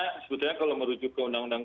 sebetulnya kalau merujuk ke undang undang